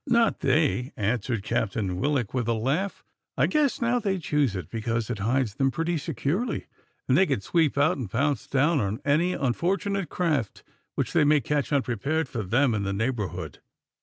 "Not they," answered Captain Willock with a laugh. "I guess now they choose it because it hides them pretty securely, and they can sweep out and pounce down on any unfortunate craft which they may catch unprepared for them in the neighbourhood.